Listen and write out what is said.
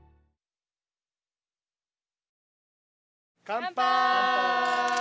かんぱい！